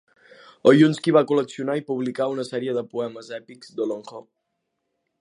Oyunsky va col·leccionar i publicar una sèrie de poemes èpics d'Olonkho.